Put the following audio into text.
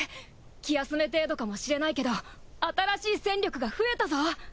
気休め程度かもしれないけど新しい戦力が増えたぞ！